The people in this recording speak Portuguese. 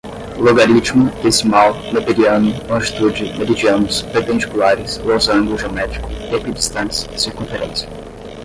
logaritmo, decimal, neperiano, longitude, meridianos, perpendiculares, losango, geométrico, equidistantes, circunferência